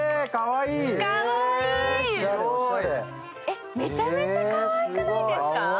えっ、めちゃめちゃかわいくないですか？